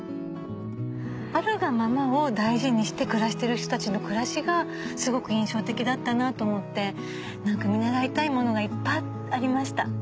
あるがままを大事にして暮らしてる人たちの暮らしがすごく印象的だったなと思って何か見習いたいものがいっぱいありました。